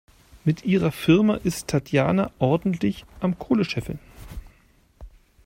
Mit ihrer Firma ist Tatjana ordentlich am Kohle scheffeln.